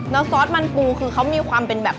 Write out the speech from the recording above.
แล้วซอสมันปูคือเขามีความเป็นแบบ